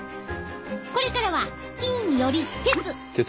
これからは金より鉄！